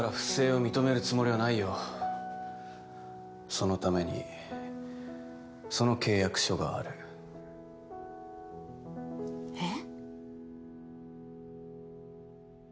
そのためにその契約書があるえっ？